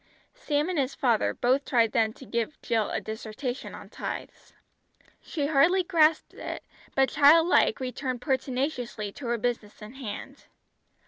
Sam and his father both tried then to give Jill a dissertation on tithes. She hardly grasped it, but child like returned pertinaciously to her business in hand.